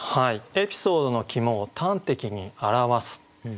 「エピソードの肝を端的に表す」。